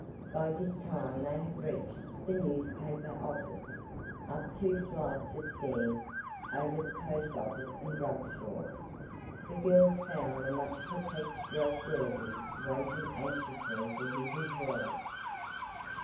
By this time they had reached the newspaper office. Up two flights of stairs, over the post office and drug store, the girls found the much perplexed Ralph Willoby waiting anxiously for his employer.